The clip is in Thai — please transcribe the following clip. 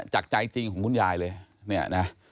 จากใจจริงของคุณยายเลย